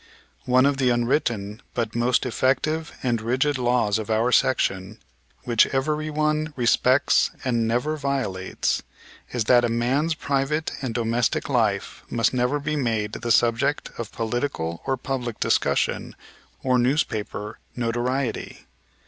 One of the unwritten but most effective and rigid laws of our section, which everyone respects and never violates, is that a man's private and domestic life must never be made the subject of political or public discussion or newspaper notoriety.